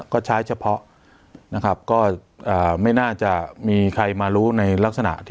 ก็ใช้เฉพาะนะครับก็ไม่น่าจะมีใครมารู้ในลักษณะที่